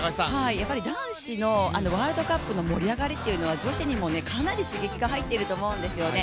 やはり男子のワールドカップの盛り上がりっていうのは女子にもかなり刺激が入っていると思うんですよね。